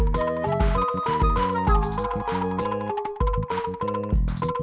sejak puluhan tahun yang lalu